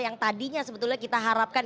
yang tadinya sebetulnya kita harapkan